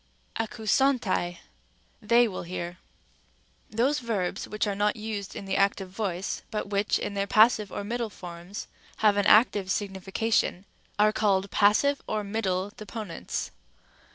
(Acts iii. 22.) ἀκούσονται, they will hear. (Acts xxi. 22.) Rem. a. Those verbs which are not used in the active voice, but which, in their passive or middle forms, have an active signification, are called passive or middle deponents.